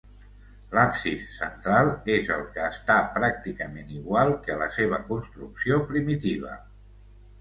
L'absis central és el que està pràcticament igual que a la seva construcció primitiva.